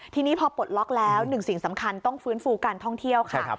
ทีนี้พอปลดล็อกแล้วหนึ่งสิ่งสำคัญต้องฟื้นฟูการท่องเที่ยวค่ะ